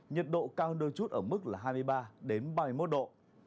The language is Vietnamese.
nhiệt độ cao hơn đôi chút ở mức là hai mươi ba đến ba mươi một độ